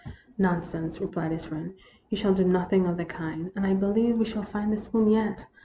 " Nonsense !" replied his friend ;" you shall do nothing of the kind, and I believe we shall find the spoon yet.